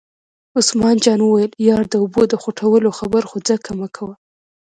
عثمان جان وویل: یار د اوبو د خوټولو خبره خو ځکه مکوه.